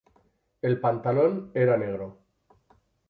El pantalón era negro.